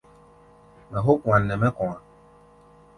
Mɛ hók wan nɛ mɛ́ kɔ̧á̧.